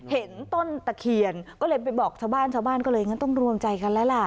เห็นต้นตะเขียนก็เลยไปบอกชาวบ้านก็เลยต้องรวมใจกันแล้วล่ะ